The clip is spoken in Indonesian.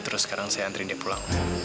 terus sekarang saya antri dia pulang